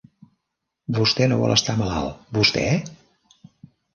Vostè no vol estar malalt, vostè?